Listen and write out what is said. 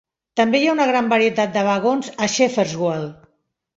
També hi ha una gran varietat de vagons a Shepherdswell.